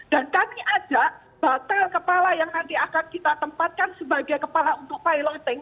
dan kami ajak batal kepala yang nanti akan kita tempatkan sebagai kepala untuk piloting